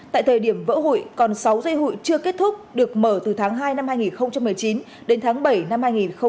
tại thời điểm vỡ hụi còn sáu dây hụi chưa kết thúc được mở từ tháng hai năm hai nghìn một mươi chín đến tháng bảy năm hai nghìn hai mươi